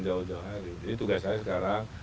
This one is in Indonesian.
jauh jauh hari jadi tugas saya sekarang